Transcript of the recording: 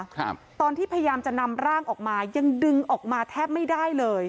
ครับตอนที่พยายามจะนำร่างออกมายังดึงออกมาแทบไม่ได้เลย